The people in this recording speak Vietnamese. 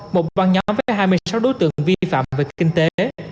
một băng nhóm với hai mươi sáu đối tượng vi phạm về kinh tế